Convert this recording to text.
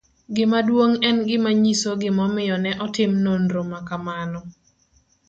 Gima duong' En gima nyiso gimomiyo ne otim nonro ma kamano.